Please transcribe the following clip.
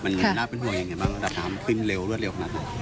มันน่าเป็นห่วงอย่างไรบ้างทำเพิ่มเร็วขนาดนั้น